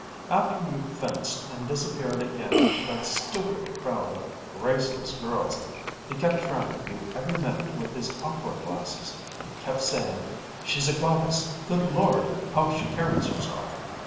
After you'd fenced and disappeared again into that stupid crowd of graceless girls, he kept track of you every minute with his opera glasses, and kept saying: 'She's a goddess! Good Lord! how she carries herself!'